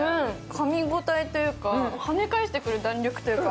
かみ応えというか、跳ね返してくる弾力というか。